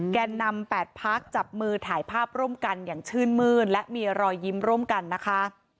แก่นำ๘พักจับมือถ่ายภาพร่วมกันอย่างชื่นมื้นและมีรอยยิ้มร่วมกันนะคะ